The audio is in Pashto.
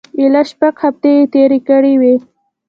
ایله شپږ هفتې یې تېرې کړې وې.